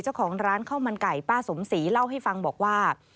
เจ้าของร้านข้าวมันไก่ป้าสมศรีเล่าให้ฟังบอกว่า